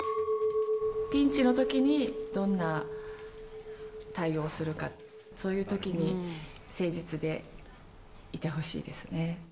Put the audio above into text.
ピンチのときに、どんな対応をするか、そういうときに誠実でいてほしいですね。